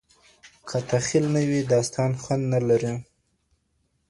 که تخیل نه وي داستان خوند نه لري.